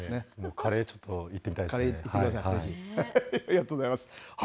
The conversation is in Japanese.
カレーちょっと行ってみたいですね。